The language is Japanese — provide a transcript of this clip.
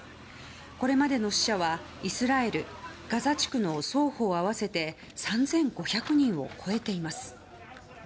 これまでの死者はイスラエル、ガザ地区の双方合わせて３５００人を超えています。